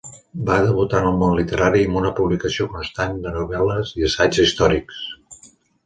Va debutar en el món literari amb una publicació constant de novel·les i assaigs històrics.